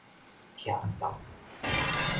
徛哨